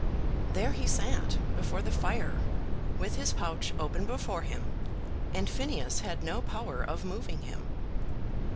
There he sat before the fire with his pouch open before him, and Phineas had no power of moving him.